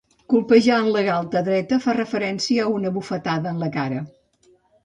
Colpejar en la galta dreta fa referència a una bufetada en la cara.